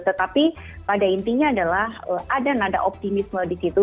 tetapi pada intinya adalah ada nada optimisme di situ